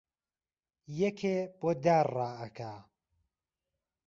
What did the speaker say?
یەکێ بۆ دار ڕائەکا